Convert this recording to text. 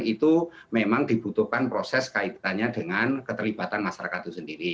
itu memang dibutuhkan proses kaitannya dengan keterlibatan masyarakat itu sendiri